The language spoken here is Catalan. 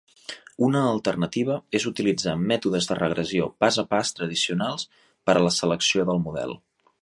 Una alternativa és utilitzar mètodes de regressió pas a pas tradicionals per a la selecció del model.